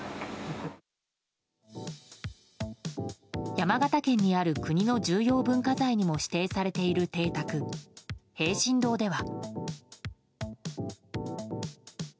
山形県にある国の重要文化財にも指定されている邸宅丙申堂では。